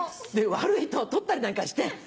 で悪いと取ったりなんかして。